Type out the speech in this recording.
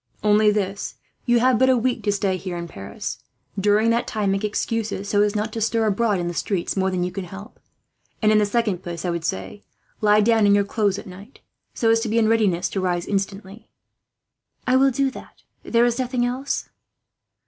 "Only this. You have but a week to stay here in Paris. During that time, make excuses so as not to stir abroad in the streets more than you can help; and in the second place I would say, lie down in your clothes at night, so as to be in readiness to rise, instantly." "I will do that," she said. "There is nothing else?"